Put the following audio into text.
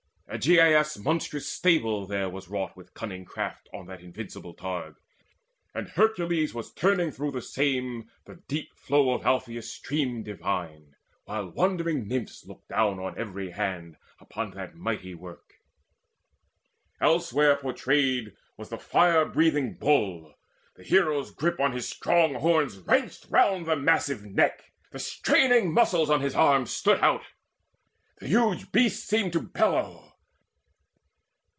Augeias' monstrous stable there was wrought With cunning craft on that invincible targe; And Hercules was turning through the same The deep flow of Alpheius' stream divine, While wondering Nymphs looked down on every hand Upon that mighty work. Elsewhere portrayed Was the Fire breathing Bull: the Hero's grip On his strong horns wrenched round the massive neck: The straining muscles on his arm stood out: The huge beast seemed to bellow.